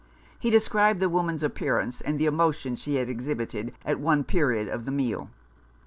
He described the woman's appearance, and the emotion she had exhibited at one period of the meal.